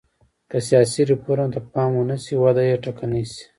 که سیاسي ریفورم ته پام ونه شي وده یې ټکنۍ شي.